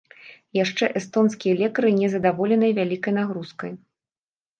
Яшчэ эстонскія лекары не задаволеныя вялікай нагрузкай.